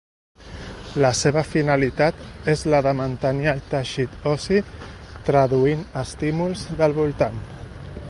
La seva finalitat és la de mantenir el teixit ossi traduint estímuls del voltant.